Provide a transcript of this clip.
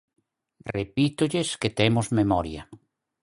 Repítolles que temos memoria.